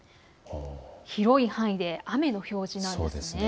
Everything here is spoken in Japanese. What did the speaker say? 広い範囲で雨の表示なんですね。